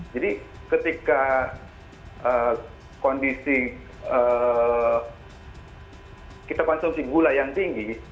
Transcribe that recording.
jadi ketika kita konsumsi gula yang tinggi